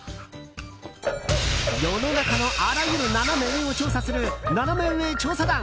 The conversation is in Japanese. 世の中のあらゆるナナメ上を調査するナナメ上調査団。